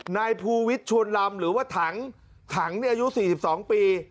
นายภูวิทย์ชวนลำหรือว่าถังถังอายุ๔๒ปี